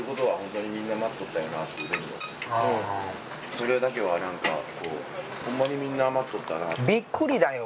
あそれだけは何かこうホンマにみんな待っとったなとびっくりだよ